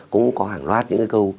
cũng có hàng loạt những cái câu